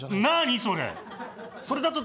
何それ？